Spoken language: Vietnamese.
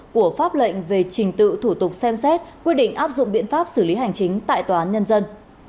của pháp lệnh về trình tự thủ tục xem xét quy định áp dụng biện pháp xử lý hành chính tại tòa án nhân dân